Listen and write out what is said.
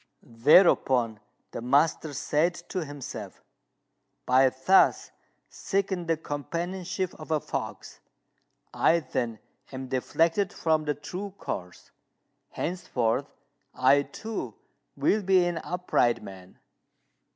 Thereupon the master said to himself, "By thus seeking the companionship of a fox, I then am deflected from the true course. Henceforth I, too, will be an upright man."